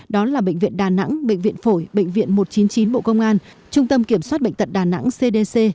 đó là bệnh viện đà nẵng bệnh viện phổi bệnh viện một trăm chín mươi chín bộ công an trung tâm kiểm soát bệnh tật đà nẵng cdc